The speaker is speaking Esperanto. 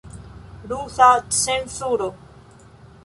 Rusa cenzuro.